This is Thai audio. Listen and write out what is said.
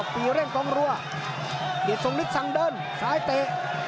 ปีเร่งกองรัวเดี๋ยวสงฤทธิ์สั่งเดินสายเตะ